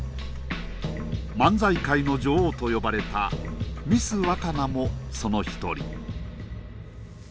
漫才界の女王と呼ばれたミスワカナもその一人。